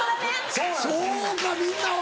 そうかみんなは。